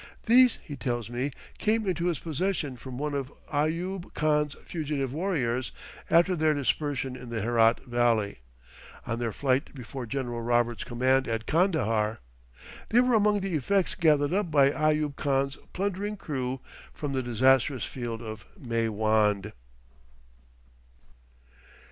These, he tells me, came into his possession from one of Ayoob Khan's fugitive warriors after their dispersion in the Herat Valley, on their flight before General Roberts' command at Kandahar. They were among the effects gathered up by Ayoob Khan's plundering crew from the disastrous field of Maiwand.